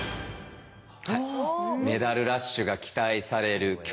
メダルラッシュが期待される競泳。